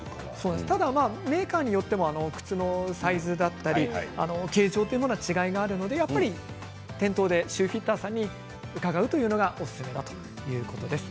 メーカーによっては靴のサイズだったり形状というものが違いがありますので店頭でシューフィッターさんに伺うというのがおすすめということです。